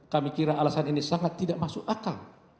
kami kira alasan ini sangat tidak masuk akal